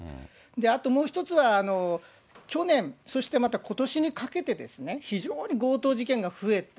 あともう一つは、去年、そしてまたことしにかけて、非常に強盗事件が増えた。